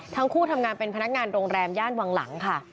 ทั้งคู่ทำงานเป็นพนักงานโรงแรมย่านวังหลังค่ะ